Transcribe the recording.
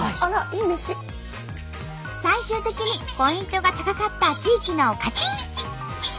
最終的にポイントが高かった地域の勝ち！